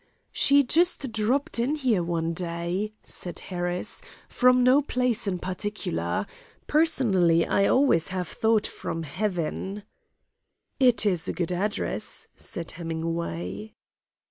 "She just dropped in here one day," said Harris, "from no place in particular. Personally, I always have thought from heaven." "It's a good address," said Hemingway.